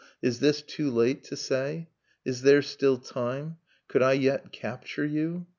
. .is this too late to say? Is there still time? Could I yet capture you?